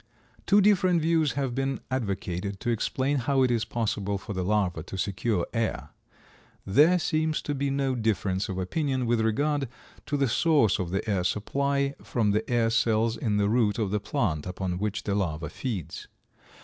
Two different views have been advocated to explain how it is possible for the larva to secure air. There seems to be no difference of opinion with regard to the source of the air supply, from the air cells in the root of the plant upon which the larva feeds.